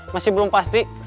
masih belum pasti